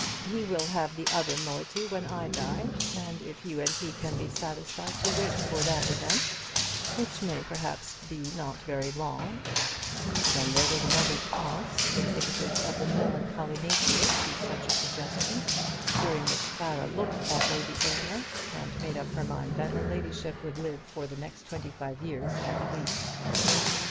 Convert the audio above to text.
He will have the other moiety when I die, and if you and he can be satisfied to wait for that event, which may not perhaps be very long " Then there was another pause, indicative of the melancholy natural to such a suggestion, during which Clara looked at Lady Aylmer, and made up her mind that her ladyship would live for the next twenty five years at least.